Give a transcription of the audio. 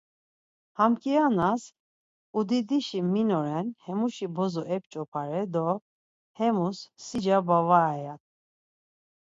Ham kianas udidişi min oren hemuşi bozo ep̌ç̌opare do hemus sica bavare ya.